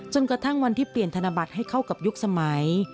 กระทั่งวันที่เปลี่ยนธนบัตรให้เข้ากับยุคสมัย